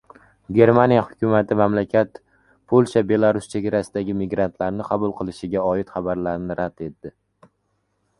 Germaniya hukumati mamlakat polsha-belarus chegarasidagi migrantlarni qabul qilishiga oid xabarlarni rad etdi